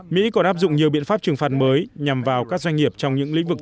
mỹ còn áp dụng nhiều biện pháp trừng phạt mới nhằm vào các doanh nghiệp trong những lĩnh vực